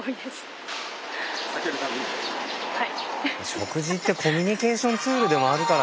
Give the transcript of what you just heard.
食事ってコミュニケーションツールでもあるからなあ。